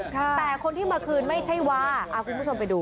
แต่คนที่มาคืนไม่ใช่ว่าคุณผู้ชมไปดู